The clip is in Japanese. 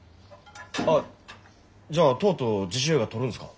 あっじゃあとうとう自主映画撮るんすか？